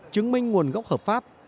chứng minh nguồn gốc hợp pháp